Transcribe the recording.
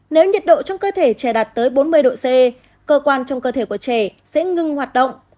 nếu nhiệt độ trong cơ thể trẻ đạt tới bốn mươi độ c cơ quan trong cơ thể của trẻ sẽ ngưng hoạt động